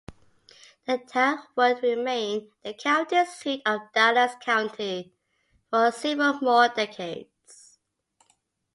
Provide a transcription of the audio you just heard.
The town would remain the county seat of Dallas County for several more decades.